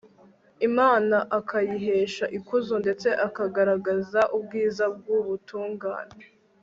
imana akayihesha ikuzo ndetse akagaragaza ubwiza bw'ubutungane